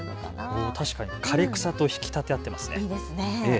枯れ草と引き立て合ってますね。